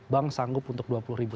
bank sanggup untuk dua puluh ribu